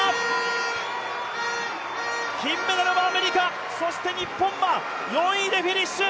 金メダルはアメリカ、日本は４位でフィニッシュ。